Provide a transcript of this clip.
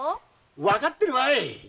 わかっとるわい。